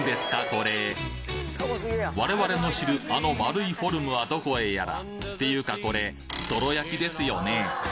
これ我々の知るあの丸いフォルムはどこへやらっていうかこれどろ焼ですよね？